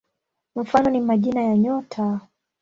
Mfano ni majina ya nyota.